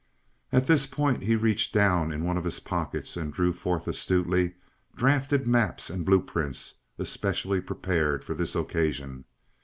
At this point he reached down in one of his pockets and drew forth astutely drafted maps and blue prints, especially prepared for this occasion.